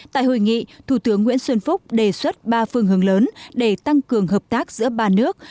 tại hội nghị thủ tướng nguyễn xuân phúc đề xuất ba phương hướng lớn để tăng cường hợp tác giữa ba nước